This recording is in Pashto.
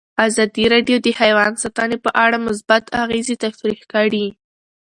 ازادي راډیو د حیوان ساتنه په اړه مثبت اغېزې تشریح کړي.